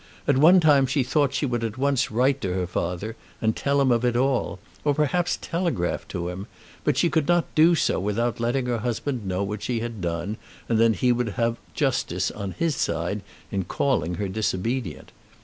At one time she thought she would at once write to her father and tell him of it all, or perhaps telegraph to him; but she could not do so without letting her husband know what she had done, and then he would have justice on his side in calling her disobedient.